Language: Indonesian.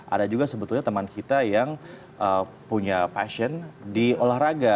ada juga sebetulnya teman kita yang punya passion di olahraga